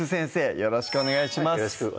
よろしくお願いします